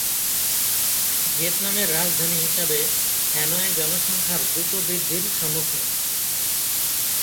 ভিয়েতনামের রাজধানী হিসাবে, হ্যানয় জনসংখ্যার দ্রুত বৃদ্ধির সম্মুখীন।